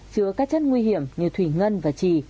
chứa các chất nguy hiểm như thủy ngân và trì